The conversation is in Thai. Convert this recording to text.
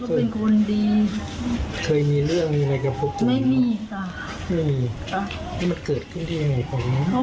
เพื่อนนั้นพันเกิดไปที่ไหน